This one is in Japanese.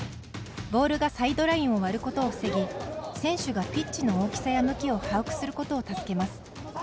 ボールがサイドラインを割ることを防ぎ選手がピッチの大きさや向きを把握することを助けます。